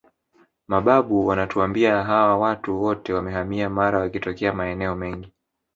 Mababu wanatuambia hawa watu wote wamehamia Mara wakitokea maeneo mengine